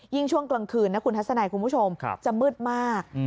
ช่วงกลางคืนนะคุณทัศนัยคุณผู้ชมจะมืดมาก